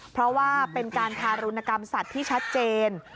เพราะว่าเป็นการทารุณกรรมสัตว์ที่ชัดเจน